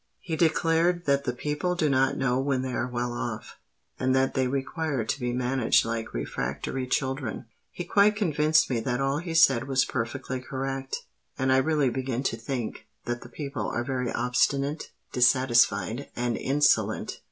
He declared that the people do not know when they are well off, and that they require to be managed like refractory children. He quite convinced me that all he said was perfectly correct; and I really begin to think that the people are very obstinate, dissatisfied, and insolent."